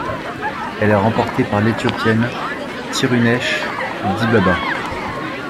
Elle est remportée par l'Éthiopienne Tirunesh Dibaba.